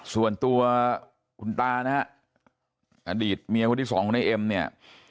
ส่วนตัวคุณตาแด่อนดีตเมียที่สองบ้านของในเอ็ม